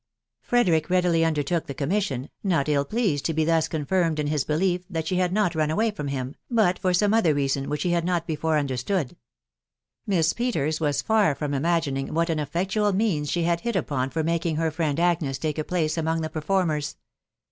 Frederick readily undertook the commission, not ill .pleaad so be thus confirmed in his belief that she bad not ran awij from him, but for some other reason which he had not bete understood. Miss Peters was far from im^glni^ what m effectual means she had hit upon for making her friend Agna take a place among the performers.